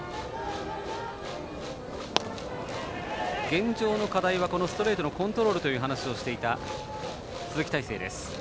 現状の課題はストレートのコントロールという話をしていた鈴木泰成です。